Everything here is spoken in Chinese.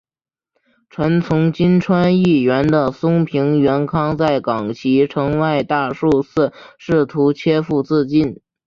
臣从今川义元的松平元康在冈崎城外大树寺试图切腹自尽。